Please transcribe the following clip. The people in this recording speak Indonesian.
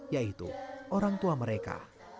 yaitu orangtua mereka